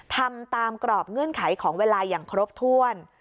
ทำตามกรอบเงื่อนไขของเวลาอย่างครบถ้วน